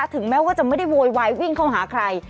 ถึงแม้ไม่ได้โยนวายวิ่งเข้าหาใคร